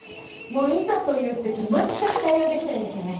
もういざというときまったく対応できないんですよね。